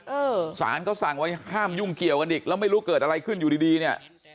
เออสารก็สั่งไว้ห้ามยุ่งเกี่ยวกันอีกแล้วไม่รู้เกิดอะไรขึ้นอยู่ดีดีเนี่ย